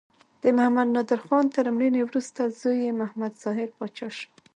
د محمد نادر خان تر مړینې وروسته زوی یې محمد ظاهر پاچا شو.